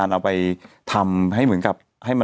มีสารตั้งต้นเนี่ยคือยาเคเนี่ยใช่ไหมคะ